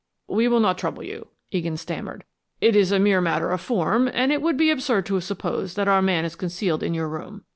"We will not trouble you," Egan stammered. "It is a mere matter of form, and it would be absurd to suppose that our man is concealed in your room.